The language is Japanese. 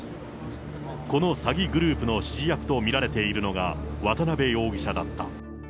この詐欺グループの指示役と見られているのが、渡辺容疑者だった。